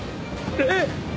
えっ！？